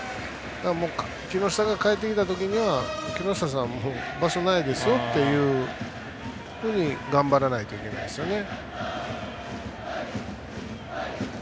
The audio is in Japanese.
木下が帰って来た時には木下さんもう場所ないですよっていうふうに頑張らないといけないですよね。